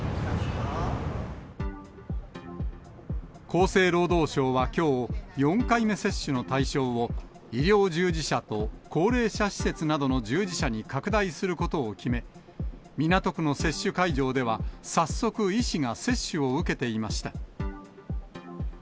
厚生労働省はきょう、４回目接種の対象を、医療従事者と高齢者施設などの従事者に拡大することを決め、港区の接種会場では早速、医師が接種を受けていました。